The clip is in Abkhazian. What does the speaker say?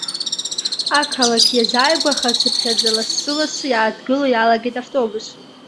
Ақалақь иазааигәахацыԥхьаӡа, лассы-лассы иааҭгыло иалагеит автобус.